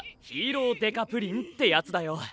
ヒーロー刑事プリンってやつだよ。